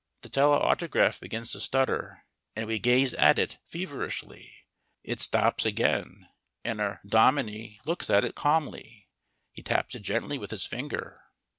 The telautograph begins to stutter and we gaze at it feverishly. It stops again and our dominie looks at it calmly. He taps it gently with his finger.